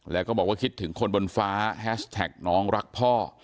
แล้วก็บอกว่าคิดถึงคนบนฟ้าแฮชแท็กน้องรักพ่อ